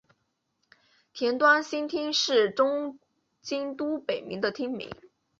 田端新町是东京都北区的町名。